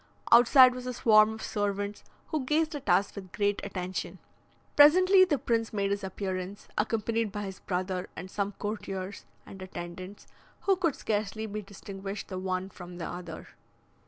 Outside was a swarm of servants, who gazed at us with great attention. Presently the prince made his appearance, accompanied by his brother, and some courtiers and attendants, who could scarcely be distinguished the one from the other.